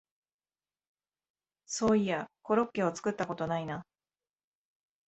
そういやコロッケを作ったことないな